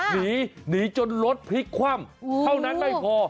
หนีจนรถพลิกควั่มเท่านั้นไม่พอ